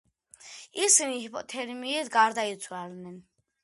ისინი ჰიპოთერმიით გარდაიცვალნენ.